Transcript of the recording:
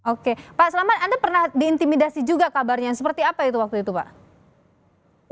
oke pak selamat anda pernah diintimidasi juga kabarnya seperti apa itu waktu itu pak